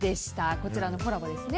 こちらのコラボですね。